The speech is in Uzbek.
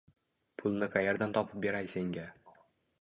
Pulni qaerdan topib beray senga